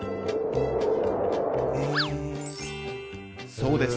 そうです。